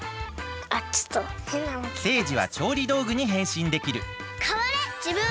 セージはちょうりどうぐにへんしんできるかわれじぶん！